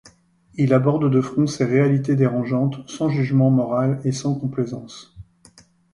Il aborde de front ces réalités dérangeantes, sans jugement moral et sans complaisance.